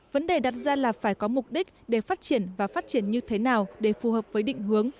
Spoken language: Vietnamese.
vấn đề đặt ra là phải có mục đích để phát triển và phát triển như thế nào để phù hợp với định hướng